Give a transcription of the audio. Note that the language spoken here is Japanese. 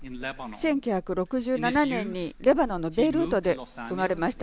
１９６７年にレバノンのベイルートで生まれました。